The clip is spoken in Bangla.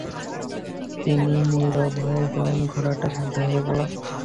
তিনি নীরব হয়ে গেলেন ঘোড়াটি শান্ত হয়ে গেল।